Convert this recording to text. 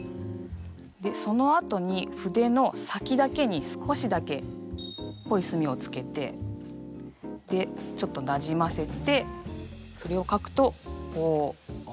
でそのあとに筆の先だけに少しだけ濃い墨をつけてでちょっとなじませてそれを書くとこう。